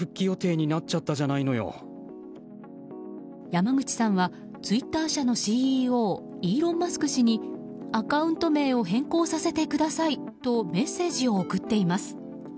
山口さんは、ツイッター社のＣＥＯ、イーロン・マスク氏にアカウント名を変更させてくださいとメッセージを送っています。